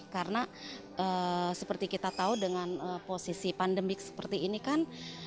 karena seperti kita tahu dengan posisi pandemik seperti ini kan